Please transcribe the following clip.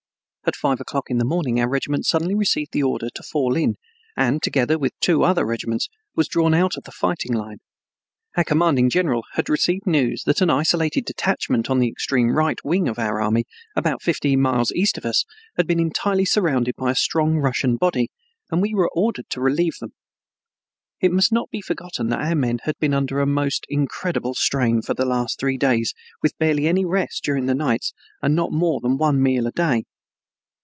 At five o'clock in the morning our regiment suddenly received the order to fall in, and, together with two other regiments, was drawn out of the fighting line. Our commanding general had received news that an isolated detachment on the extreme right wing of our army, about fifteen miles east of us, had been entirely surrounded by a strong Russian body, and we were ordered to relieve them. It must not be forgotten that our men had been under a most incredible strain for the last three days with barely any rest during the nights and not more than one meal a day.